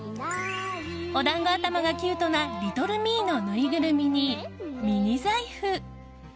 お団子頭がキュートなリトルミイのぬいぐるみにミニ財布。